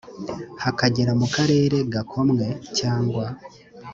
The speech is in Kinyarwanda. hakagera mu karere gakomwe cyangwa